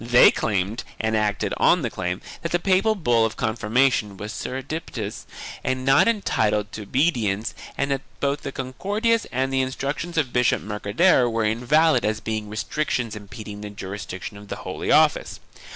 They claimed, and acted on the claim, that the papal bull of confirmation was surreptitious and not entitled to obedience and that both the Concordias and the Instructions of Bishop Mercader were invalid as being restrictions impeding the jurisdiction of the Holy Office.